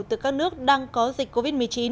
từ các nước đang có dịch covid một mươi chín